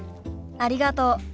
ありがとう。